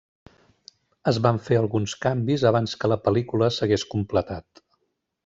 Es van fer alguns canvis abans que la pel·lícula s'hagués completat.